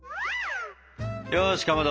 よしかまど！